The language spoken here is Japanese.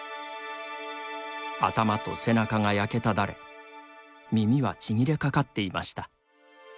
頭と背中が焼けただれ耳はちぎれかかっていました。